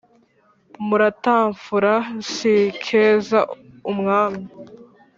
muratamfura zikeza umwami